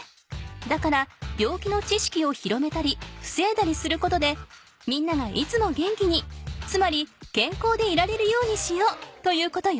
だから病気のちしきを広めたりふせいだりすることでみんながいつも元気につまりけんこうでいられるようにしようということよ。